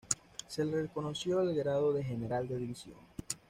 Se le reconoció el grado de general de División.